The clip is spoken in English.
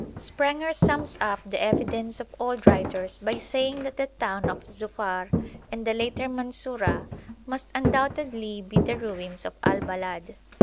Sprenger sums up the evidence of old writers by saying that the town of Zufar and the later Mansura must undoubtedly be the ruins of Al Balad.